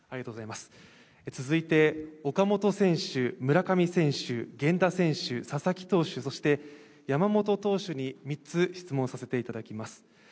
続いて、岡本選手、村上選手源田選手、佐々木投手、そして山本投手に３つ質問させていただきます。